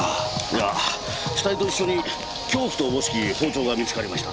いや死体と一緒に凶器とおぼしき包丁が見つかりました。